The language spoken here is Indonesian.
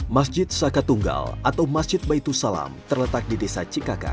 masjid saka tunggal atau masjid baitul salam terletak di desa cikaka